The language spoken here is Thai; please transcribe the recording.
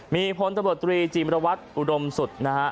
มีพนตรวจตรีจีบรวรรณวัฐศ์อุดมสุดนะฮะ